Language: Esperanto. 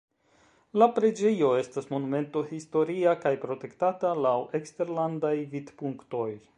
La preĝejo estas Monumento historia kaj protektata laŭ eksterlandaj vidpunktoj.